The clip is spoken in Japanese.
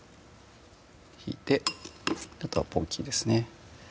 ひいてあとはポキですね